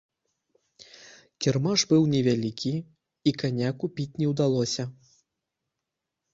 Кірмаш быў невялікі, і каня купіць не ўдалося.